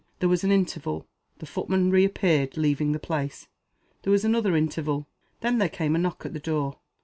There was an interval. The footman reappeared, leaving the place. There was another interval. Then there came a knock at the door.